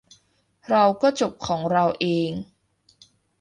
เราก็จบของเราเอง